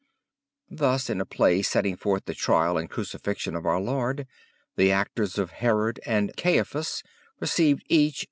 Thus in a play setting forth the Trial and Crucifixion of our Lord, the actors of Herod and Caiaphas received each 3s.